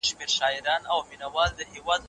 د ټولني بیوزلي خلګ په موږ حق لري.